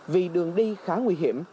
vì đường đi khá nguy hiểm